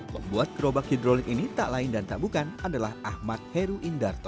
pembuat gerobak hidrolik ini tak lain dan tak bukan adalah ahmad heru indarto